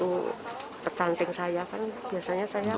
itu pecanting saya kan biasanya saya